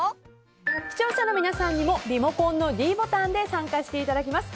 視聴者の皆さんにもリモコンのｄボタンで参加していただきます。